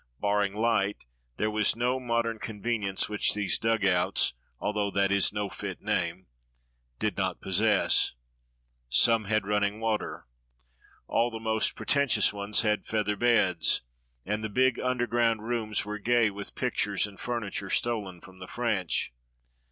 Barring light, there was no modern convenience which these dugouts (although that is no fit name) did not possess. Some had running water. All the most pretentious ones had feather beds, and the big underground rooms were gay with pictures and furniture stolen from the French.